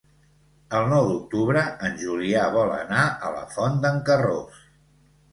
El nou d'octubre en Julià vol anar a la Font d'en Carròs.